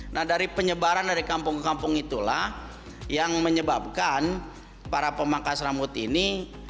nah dari penyebaran dari kampung ke kampung itulah yang menyebabkan para pemangkas rambut ini